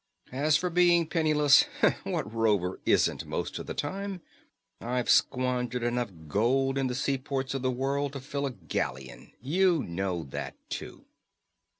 As for being penniless what rover isn't, most of the time? I've squandered enough gold in the sea ports of the world to fill a galleon. You know that, too."